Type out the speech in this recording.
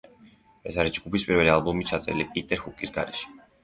ეს არის ჯგუფის პირველი ალბომი, ჩაწერილი პიტერ ჰუკის გარეშე.